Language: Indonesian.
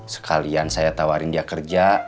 sekalian saya tawarin dia kerja